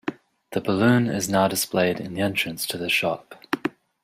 The balloon is now displayed in the entrance to the shop.